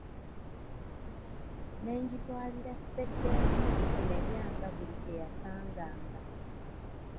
Ne ngitwalira Ssegaanya, eyalyanga buli kye yasanganga.